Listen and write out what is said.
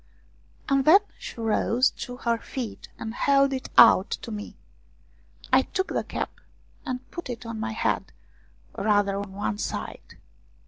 And then she rose to her feet and held it out to me. I took the cap, and put it on my head, rather on one side.